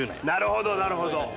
なるほどなるほど。